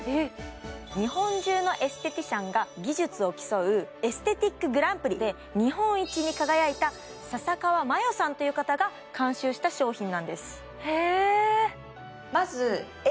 日本中のエステティシャンが技術を競うエステティックグランプリで日本一に輝いた笹川麻世さんという方が監修した商品なんですへえ